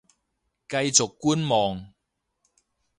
繼續觀望